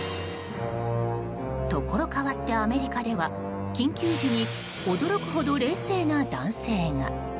ところ変わって、アメリカでは緊急時に驚くほど冷静な男性が。